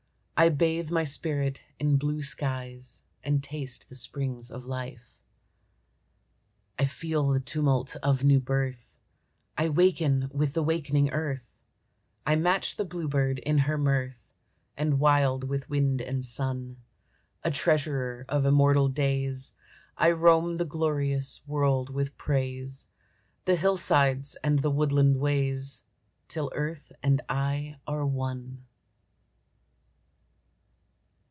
I bathe my spirit in blue skies, And taste the springs of life. I feel the tumult of new birth; I waken with the wakening earth; I match the bluebird in her mirth; And wild with wind and sun, A treasurer of immortal days, I roam the glorious world with praise, The hillsides and the woodland ways, Till earth and I are one.